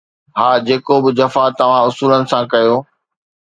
ها، جيڪو به جفا توهان اصولن سان ڪيو